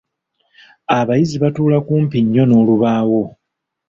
Abayizi batuula kumpi nnyo n'olubaawo.